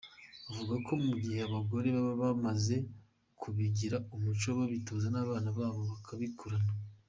Avuga ko mu gihe abagore baba bamaze kubigira umuco babitoza n’abana babo bakabikura.